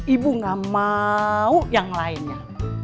ibu gak mau yang lainnya